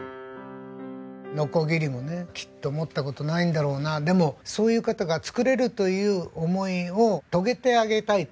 のこぎりもねきっと持った事ないんだろうなでもそういう方が作れるという思いを遂げてあげたいと。